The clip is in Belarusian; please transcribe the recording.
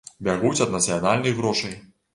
Бягуць ад нацыянальных грошай!